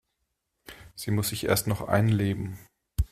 Sie muss sich erst noch einleben.